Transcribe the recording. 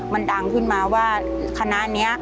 มันดังขึ้นมาว่าคณะนี้